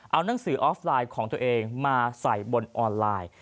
เอานังสือออฟไลน์ของตัวเองมาใส่บนออนไลน์